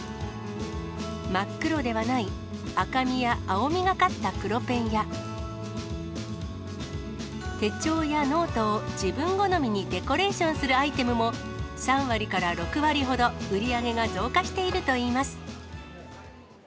真っ黒ではない、赤みや青みがかった黒ペンや、手帳やノートを自分好みにデコレーションするアイテムも、３割から６割ほど、売り上げが増加しているといいます。